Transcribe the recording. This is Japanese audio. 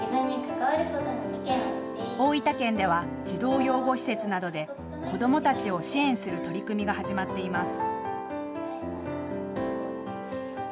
大分県では児童養護施設などで、子どもたちを支援する取り組みが始まっています。